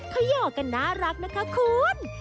เขาหยอกกันน่ารักนะคะคุณ